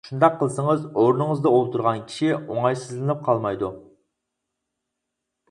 شۇنداق قىلسىڭىز، ئورنىڭىزدا ئولتۇرغان كىشى ئوڭايسىزلىنىپ قالمايدۇ.